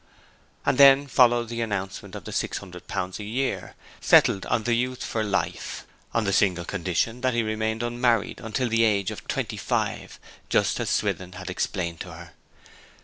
And then followed the announcement of the 600 pounds a year settled on the youth for life, on the single condition that he remained unmarried till the age of twenty five just as Swithin had explained to her.